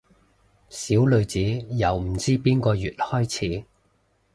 小女子由唔知邊個月開始